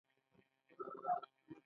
ایا زه باید والیبال وکړم؟